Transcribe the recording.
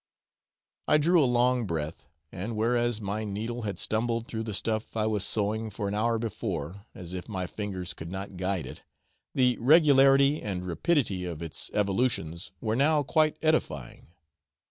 I drew a long breath; and whereas my needle had stumbled through the stuff I was sewing for an hour before, as if my fingers could not guide it, the regularity and rapidity of its evolutions were now quite edifying.